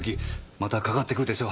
またかかってくるでしょ？